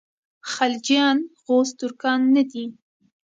خلجیان غوز ترکان نه دي.